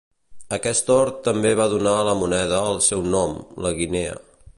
Aquest or també va donar a la moneda el seu nom, la guinea.